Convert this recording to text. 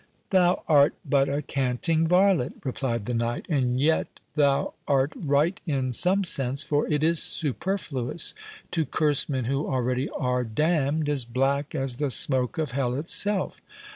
"Thou art but a canting varlet," replied the knight; "and yet thou art right in some sense—for it is superfluous to curse men who already are damned as black as the smoke of hell itself."